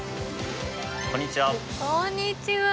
こんにちは。